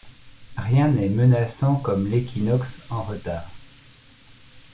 Rien n’est menaçant comme l’équinoxe en retard.